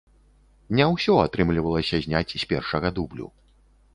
Не ўсё атрымлівалася зняць з першага дублю.